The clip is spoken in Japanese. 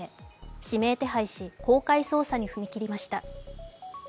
指名手配し、公開捜査に踏み切りました。